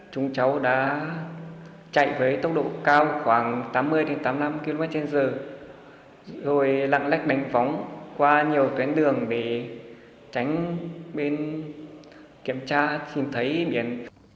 chúng cháu đã chạy với tốc độ cao khoảng tám mươi tám mươi năm kmh rồi lạng lách đánh võng qua nhiều tuyến đường để tránh bên kiểm tra tìm thấy biển